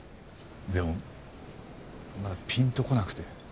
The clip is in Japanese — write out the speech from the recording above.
でもまだピンとこなくて。